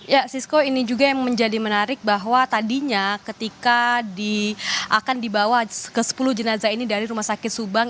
ya sisko ini juga yang menjadi menarik bahwa tadinya ketika akan dibawa ke sepuluh jenazah ini dari rumah sakit subang